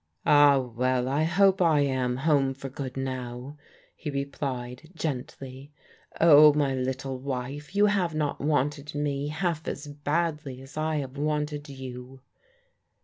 "Ah, well, I hope I am home for good now," he replied gently. " Oh, my little wife, you have not wanted me half as badly as I have wanted you."